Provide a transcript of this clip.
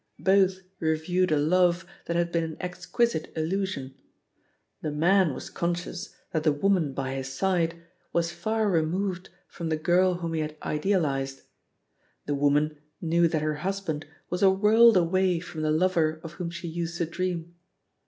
Both re viewed a love that had been an exquisite illusion: the man was conscious that the woman by his side was far removed from the girl whom he had idealised: the woman knew that her husband was a world away from the lover of whom she used to dream.